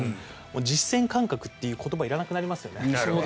実戦感覚という言葉いらなくなりますよね。